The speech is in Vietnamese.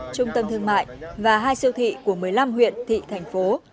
trung tâm thương mại và hai siêu thị của một mươi năm huyện thị thành phố